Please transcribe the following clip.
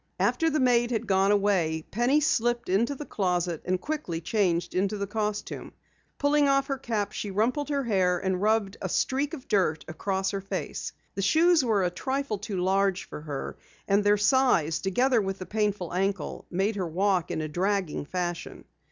After the maid had gone away, Penny slipped into the closet and quickly changed into the costume. Pulling off her cap, she rumpled her hair and rubbed a streak of dirt across her face. The shoes were a trifle too large for her, and their size, together with the painful ankle, made her walk in a dragging fashion.